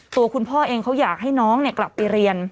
ตัวคุณพ่อเองเขาอยากให้น้องกลับไปเรียน